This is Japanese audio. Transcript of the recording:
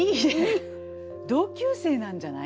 同級生なんじゃない？